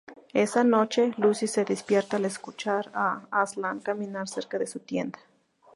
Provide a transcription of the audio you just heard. Esa noche, Lucy se despierta al escuchar a Aslan caminar cerca de su tienda.